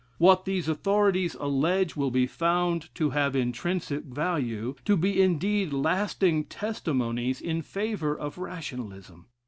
What these authorities allege will be found to have intrinsic value, to be indeed lasting testimonies in favor of Rationalism.